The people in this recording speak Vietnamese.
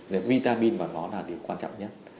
nên vitamin và nó là điều quan trọng nhất